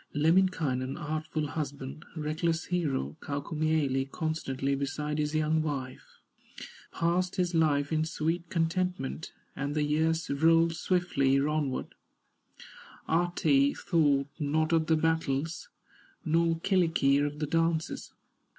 Lemminkainen, artful husband, Reckless hero, Kaukomieli, Constantly beside his young wife, Passed his life in sweet contentment, And the years rolled swiftly onward; Ahti thought not of the battles, Nor Kyllikki of the dances.